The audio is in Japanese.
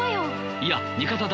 いや味方だ。